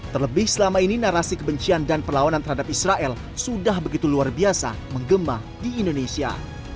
terlebih selama ini narasi kebencian dan perlawanan terhadap israel sudah begitu luar biasa menggema di indonesia